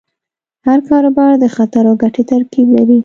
هر کاروبار د خطر او ګټې ترکیب لري.